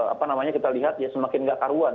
apa namanya kita lihat semakin gak karuan